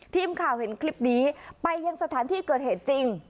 ทีมข่าวเห็นคลิปนี้ไปยังสถานที่เกิดเหตุจริง